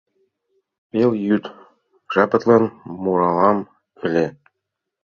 Пелйӱд жапетлан муралам ыле.